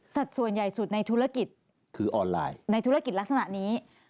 ส่วนใหญ่สุดในธุรกิจคือออนไลน์ในธุรกิจลักษณะนี้